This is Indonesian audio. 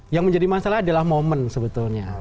yang menjadi masalah adalah momen sebetulnya